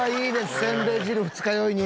せんべい汁二日酔いに。